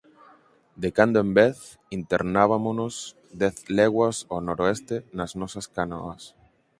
De cando en vez, internabámonos dez leguas ó noroeste nas nosas canoas